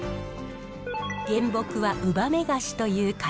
原木はウバメガシという堅い木。